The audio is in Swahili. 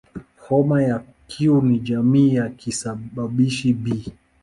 Homa ya Q ni jamii ya kisababishi "B".